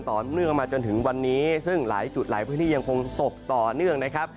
ต่อเนื่องมาจนถึงวันนี้ซึ่งหลายจุดหลายพื้นที่ยังคงตกต่อเนื่องนะครับ